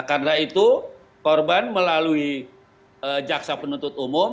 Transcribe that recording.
karena itu korban melalui jaksa penuntut umum